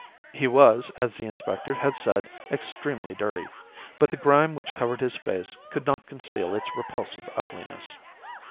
He was, as the inspector had said, extremely dirty, but the grime which covered his face could not conceal its repulsive ugliness.